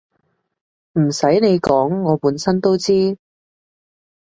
唔洗你講我本身都知